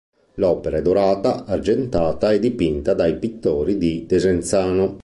L'opera è dorata, argentata e dipinta dai pittori di Desenzano.